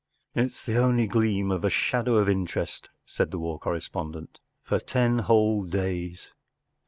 “ It’s ’ the only gleam of a shadow of interest,” said the war correspondent, “ for ten whole days.